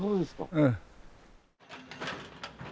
ええ。